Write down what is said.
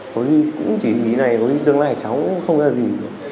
có khi cũng chỉ ý này có khi tương lai cháu cũng không ra gì